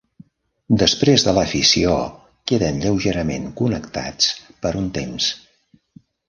Després de la fissió queden lleugerament connectats per un temps.